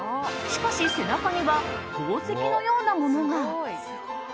しかし背中には宝石のようなものが。